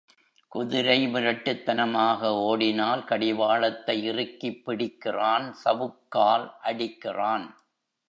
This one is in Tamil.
குதிரை முரட்டுத்தனமாக ஓடினால் கடிவாளத்தை இறுக்கிப் பிடிக்கிறான் சவுக்கால் அடிக்கிறான்.